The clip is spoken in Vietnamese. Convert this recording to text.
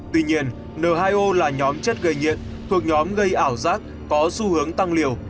tuy nhiên n hai o là nhóm chất gây nhiện thuộc nhóm gây ảo giác có xu hướng tăng liều